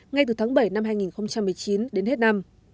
ngay từ tháng bảy năm hai nghìn một mươi chín đến hết năm